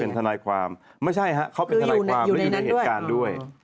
ทนายความไม่ใช่ฮะเขาเป็นทนายความแล้วอยู่ในเหตุการณ์ด้วย